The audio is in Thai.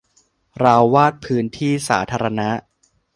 เราวาดพื้นที่สาธารณะ